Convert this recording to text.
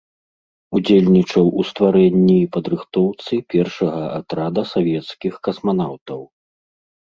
Удзельнічаў у стварэнні і падрыхтоўцы першага атрада савецкіх касманаўтаў.